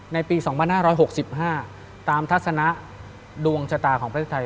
ในปี๒๕๖๕ตามทัศนะดวงชะตาของประเทศไทย